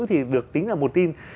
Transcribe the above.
thì được tính là một tin